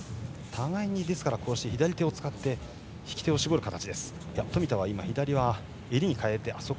互いに、ですから左手を使って引き手を絞る形。